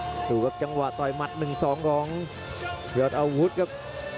ดูครับจังหวะต่อยหมัด๑๒ของยอดอาวุธครับ